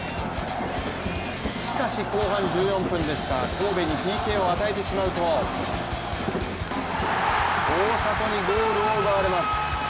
しかし後半１４分でした、神戸にＰＫを与えてしまうと大迫にゴールを奪われます。